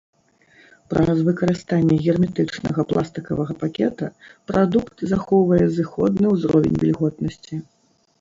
Праз выкарыстанне герметычнага пластыкавага пакета прадукт захоўвае зыходны ўзровень вільготнасці.